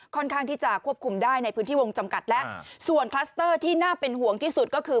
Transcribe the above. ข้างที่จะควบคุมได้ในพื้นที่วงจำกัดแล้วส่วนคลัสเตอร์ที่น่าเป็นห่วงที่สุดก็คือ